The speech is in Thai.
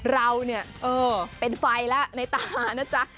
เราเนี่ยเออเป็นไฟแล้วในตานะจ๊ะ